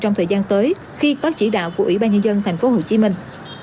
trong thời gian tới khi có chỉ đạo của ủy ban nhân dân thành phố hồ chí minh